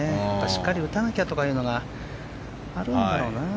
しっかり打たなきゃというのがあるんだろうな。